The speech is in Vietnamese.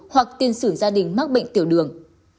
hoặc tiên xử gia đình mắc bệnh tiểu đường